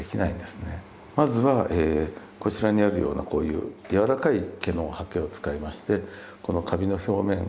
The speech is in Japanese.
まずはこちらにあるようなこういう柔らかい毛のはけを使いましてこのカビの表面